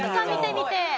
見てみて。